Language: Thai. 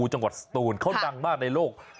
จังหวัดศูนย์เขาต่างมากในโลก